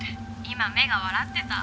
今目が笑ってた。